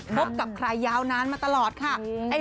พบกับใครยาวนานมาตลอดค่ะ